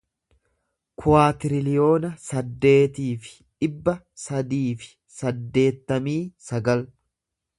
kuwaatiriliyoona saddeetii fi dhibba sadii fi saddeettamii sagal